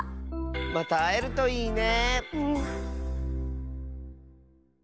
またあえるといいね。